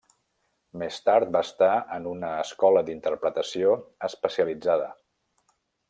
Més tard va estar en una escola d'interpretació especialitzada.